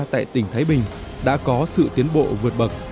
tại tỉnh thái bình đã có sự tiến bộ vượt bậc